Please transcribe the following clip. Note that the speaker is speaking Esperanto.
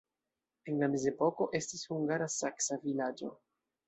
En la mezepoko estis hungara-saksa vilaĝo.